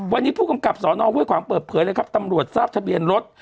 วันนี้ผู้กำกับสนห้วยขวางเปิดเผยเลยครับตำรวจทราบทะเบียนรถ